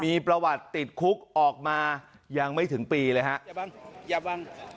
มีประวัติติดคุกออกมายังไม่ถึงปีเลยฮะอย่าวังอย่าวัง